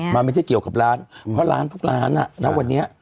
มันไม่ใช่เกี่ยวกับร้านเพราะร้านทุกร้านณวันนี้